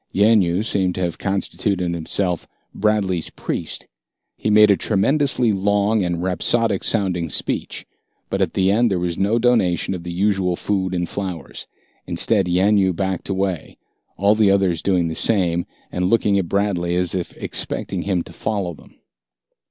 Yanyoo seemed to have constituted himself Bradley's priest. He made a tremendously long and rhapsodic sounding speech, but at the end there was no donation of the usual food and flowers. Instead, Yanyoo backed away, all the others doing the same, and looking at Bradley as if expecting him to follow them.